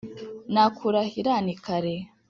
nakurahira ni kare